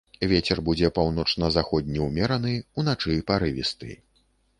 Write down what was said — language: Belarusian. Вецер будзе паўночна-заходні ўмераны, уначы парывісты.